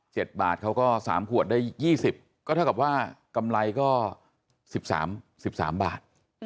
บาทเขาก็สามขวดได้ยี่สิบก็เท่ากับว่ากำไรก็สิบสามสิบสามบาท